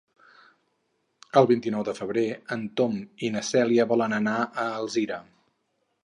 El vint-i-nou de febrer en Tom i na Cèlia volen anar a Alzira.